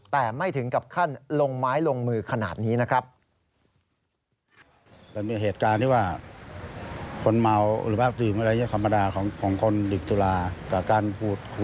แต่ไม่ถึงกับขั้นลงไม้ลงมือขนาดนี้นะครับ